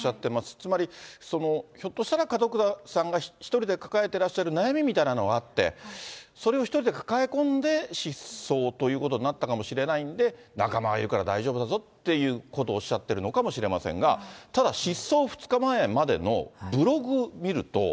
つまり、ひょっとしたら門倉さんが一人で抱えていらっしゃる悩みみたいなのがあって、それを一人で抱え込んで失踪ということになったかもしれないんで、仲間がいるから大丈夫だぞっていうことをおっしゃってるのかもしれませんが、ただ、失踪２日前までのブログを見ると。